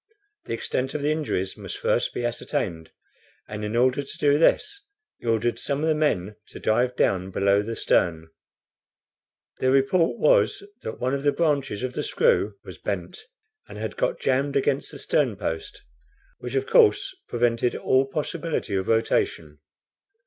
The extent of the injuries must first be ascertained, and in order to do this he ordered some of the men to dive down below the stern. Their report was that one of the branches of the screw was bent, and had got jammed against the stern post, which of course prevented all possibility of rotation.